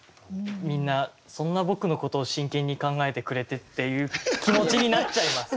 みんなそんな僕のことを真剣に考えてくれてっていう気持ちになっちゃいます。